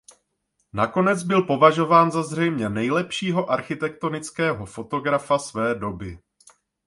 Nakonec byl považován za zřejmě nejlepšího architektonického fotografa své doby.